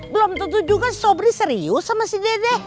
belum tentu juga sobri serius sama si dede